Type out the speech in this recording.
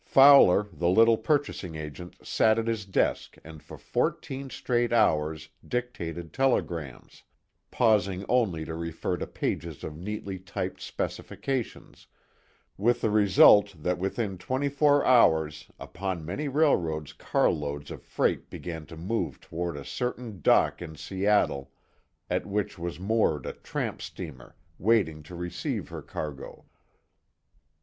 Fowler, the little purchasing agent sat at his desk and for fourteen straight hours dictated telegrams, pausing only to refer to pages of neatly typed specifications, with the result that within twenty four hours upon many railroads carloads of freight began to move toward a certain dock in Seattle at which was moored a tramp steamer waiting to receive her cargo.